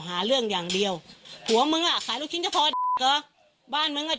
หาเรื่องอย่างเดียวหัวมึงอ่ะขายลูกชิ้นเฉพาะบ้านมึงอ่ะ